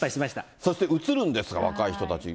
そして写ルンですが、若い人たちに。